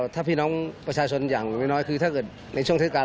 ถ้าพี่น้องประชาชนอย่างน้อยคือถ้าเกิดในช่วงเทศกาล